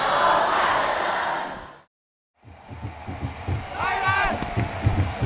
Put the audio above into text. มันอยู่ที่หัวใจ